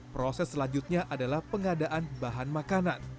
proses selanjutnya adalah pengadaan bahan makanan